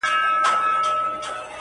باد را الوتی، له شبِ ستان دی,